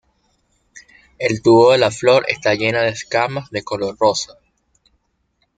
El tubo de la flor está llena de escamas de color rosa.